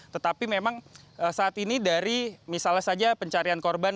tetapi memang saat ini dari misalnya saja pencarian korban